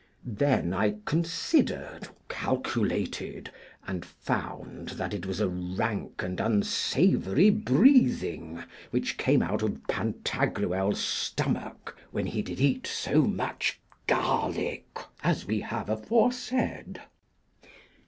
Then I considered, calculated, and found that it was a rank and unsavoury breathing which came out of Pantagruel's stomach when he did eat so much garlic, as we have aforesaid.